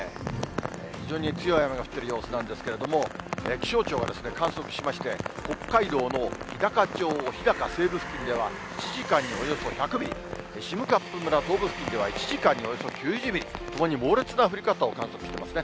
非常に強い雨が降っている様子なんですけれども、気象庁が観測しまして、北海道の日高町日高西部付近では、１時間におよそ１００ミリ、占冠村東部付近では１時間におよそ９０ミリ、ともに猛烈な降り方を観測していますね。